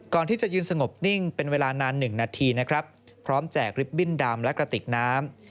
ก่อนที่จะยืนสงบนิ่งเป็นเวลานาน๑นาทีนะครับพร้อมแจกลิฟตบิ้นดำและกระติกน้ำ